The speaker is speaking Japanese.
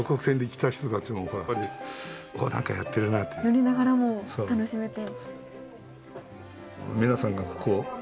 乗りながらも楽しめて。